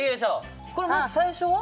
これまず最初は？